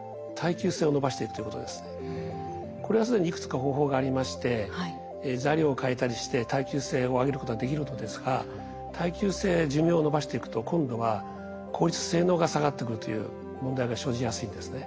これは既にいくつか方法がありまして材料を変えたりして耐久性を上げることができるのですが耐久性や寿命をのばしていくと今度は効率・性能が下がってくるという問題が生じやすいんですね。